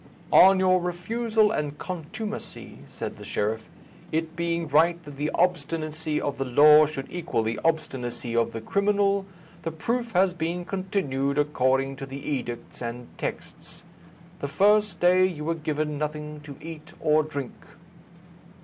"On your refusal and contumacy," said the sheriff, "it being right that the obstinacy of the law should equal the obstinacy of the criminal, the proof has been continued according to the edicts and texts. The first day you were given nothing to eat or drink."